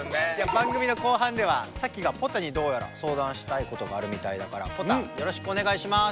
番組の後半ではサキがポタにどうやら相談したいことがあるみたいだからポタよろしくおねがいします。